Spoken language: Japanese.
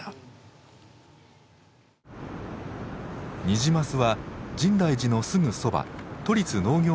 ニジマスは深大寺のすぐそば都立農業